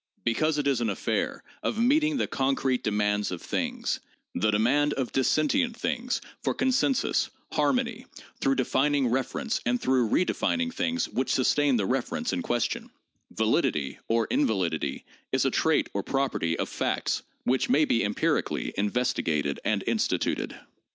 Because it is an affair of meeting the concrete demands of things, the demand of dis sentient things for consensus, harmony, through defining reference and through redefining things which sustain the reference in ques tion, validity or invalidity is a trait or property of facts which may be empirically investigated and instituted.